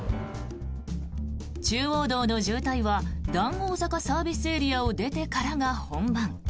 中央道の渋滞は談合坂ＳＡを出てからが本番。